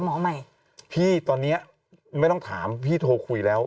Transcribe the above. หมอใหม่พี่ตอนเนี้ยไม่ต้องถามพี่โทรคุยแล้ว